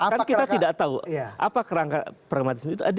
kan kita tidak tahu apa kerangka pragmatisme itu